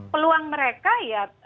peluang mereka ya